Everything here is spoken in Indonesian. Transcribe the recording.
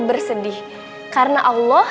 bersedih karena allah